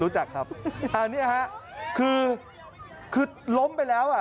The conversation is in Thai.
รู้จักครับอันนี้คือล้มไปแล้ว